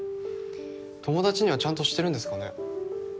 友達にはちゃんとしてるんですかね？